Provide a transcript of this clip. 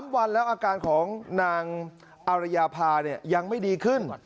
๓วันแล้วอาการของนางอารยาภายังไม่ดีขึ้น